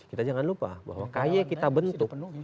kita jangan lupa bahwa kay kita bentuk